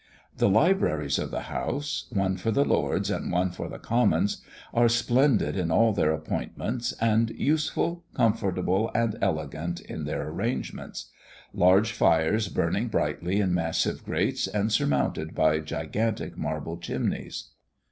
The libraries of the House one for the Lords and one for the Commons are splendid in all their appointments, and useful, comfortable, and elegant in their arrangements; large fires burning brightly in massive grates, and surmounted by gigantic marble chimneys.